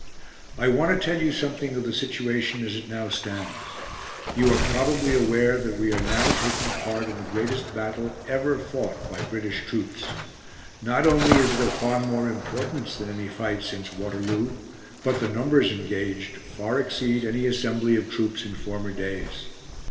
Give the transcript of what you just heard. "I want to tell you something of the situation as it now stands. You are probably aware that we are now taking part in the greatest battle ever fought by British troops. Not only is it of far more importance than any fight since Waterloo, but the numbers engaged far exceed any assembly of troops in former days.